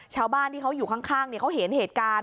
ชาวบ้านที่เขาอยู่ข้างเขาเห็นเหตุการณ์